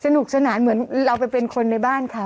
สนุกสนานเหมือนเราไปเป็นคนในบ้านเขา